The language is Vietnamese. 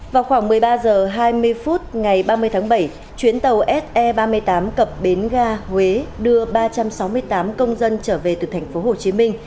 vào khoảng một mươi ba h hai mươi phút ngày ba mươi tháng bảy chuyến tàu se ba mươi tám cập bến ga huế đưa ba trăm sáu mươi tám công dân trở về từ tp hcm